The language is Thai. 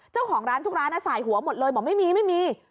เจ้าของร้านทุกร้านสายหัวหมดเลยบอกไม่มีไม่มี